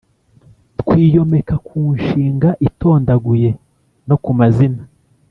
twiyomeka ku nshinga itondaguye no ku mazina.